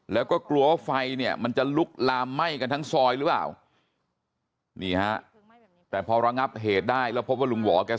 แล้วก็กลัวไฟมันจะลุกลามใหม้กันทั้งซอยรึเปล่านี่ฮะแต่พอเรารักงับเหตุได้เราก็พบว่าลุงหว่อเกลี่ย